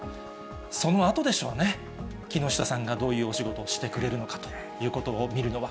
そのあとでしょうね、木下さんがどういうお仕事をしてくれるのかということを見るのは。